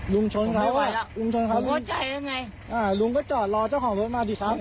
ลุงก็จอดรอเจ้าของรถมาสิครับ